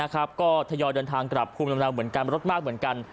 ก็ทยอยเดินทางกลับภูมิลำเนาเหมือนกันรถมากเหมือนกัน